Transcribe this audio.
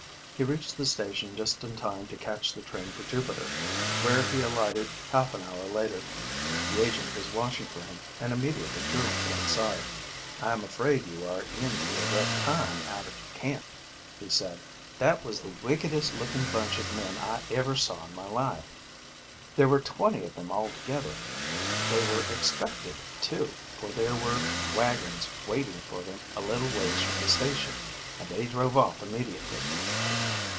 He reached the station just in time to catch the train for Jupiter, where he alighted half an hour later. The agent was watching for him, and immediately drew him to one side. "I am afraid you are in for a rough time out at camp," he said; "that was the wickedest looking bunch of men I ever saw in my life. There were twenty of them altogether. They were expected, too, for there were wagons waiting for them a little ways from the station, and they drove off immediately."